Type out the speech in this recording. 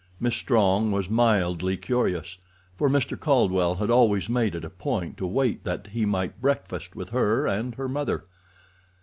Miss Strong was mildly curious, for Mr. Caldwell had always made it a point to wait that he might breakfast with her and her mother.